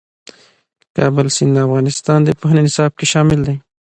د کابل سیند د افغانستان د پوهنې نصاب کې شامل دی.